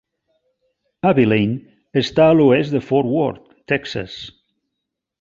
Abilene està a l'oest de Fort Worth, Texas.